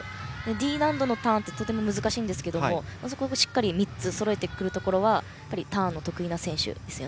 Ｄ難度のターンってとても難しいんですがそこをしっかり３つそろえてくるところはターンの得意な選手です。